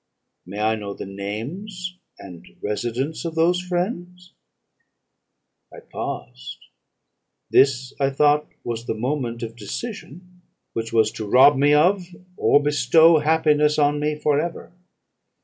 "'May I know the names and residence of those friends?' "I paused. This, I thought, was the moment of decision, which was to rob me of, or bestow happiness on me for ever.